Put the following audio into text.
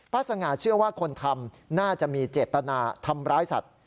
สง่าเชื่อว่าคนทำน่าจะมีเจตนาทำร้ายสัตว์